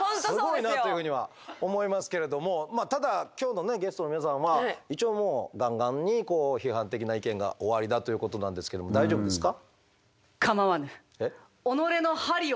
すごいなというふうには思いますけれどもただ今日のゲストの皆さんは一応もうガンガンに批判的な意見がおありだということなんですけれども大丈夫ですか？